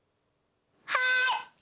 はい！